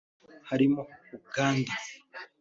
harimo Uganda